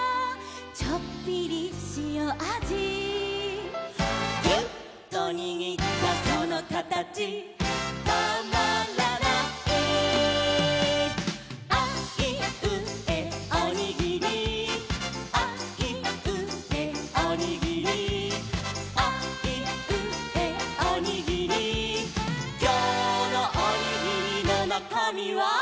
「ちょっぴりしおあじ」「ギュッとにぎったそのかたちたまらない」「あいうえおにぎり」「あいうえおにぎり」「あいうえおにぎり」「きょうのおにぎりのなかみは？」